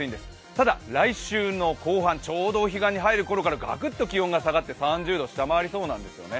ただ、来週の後半、ちょうどお彼岸に入るころからガクッと気温が下がって３０度を下回りそうなんですよね。